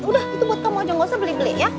udah itu buat kamu aja gak usah beli beli ya